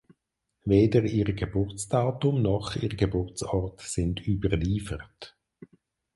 Weder ihr Geburtsdatum noch ihr Geburtsort sind überliefert.